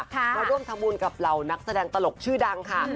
มาร่วมทะมูลกับเรานักแสดงตลกชื่อดังค่ะ